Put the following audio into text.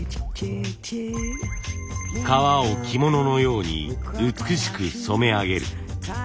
革を着物のように美しく染め上げる。